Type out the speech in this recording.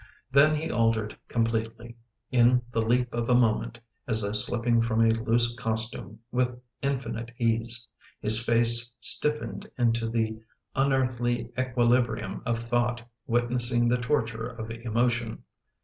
Then he altered completely, in the leap of a moment, as though slipping from a loose cos tume with infinite ease. His face stiffened into the un earthly equilibrium of thought witnessing the torture of emotion.